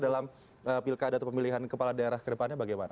dalam pilkada atau pemilihan kepala daerah ke depannya bagaimana